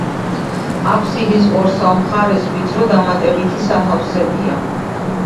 აფსიდის ორსავ მხარეს ვიწრო დამატებითი სათავსებია.